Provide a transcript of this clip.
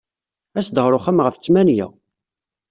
As-d ɣer uxxam ɣef ttmenya.